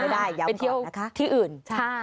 ไปเที่ยวที่อื่น